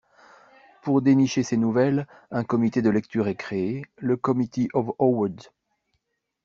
Pour dénicher ces nouvelles, un comité de lecture est créé, le Committee of Award.